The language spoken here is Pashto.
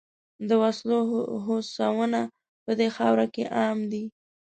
د وسلو هوسونه په دې خاوره کې عام دي.